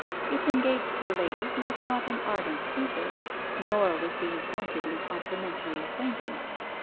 If engaged to a lady, he was not an ardent suitor; nor was he a pointedly complimentary acquaintance.